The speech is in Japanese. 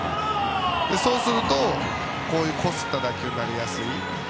そうすると、こういうこすった打球になりやすい。